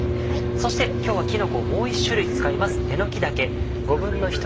そして今日はきのこをもう１種類使います。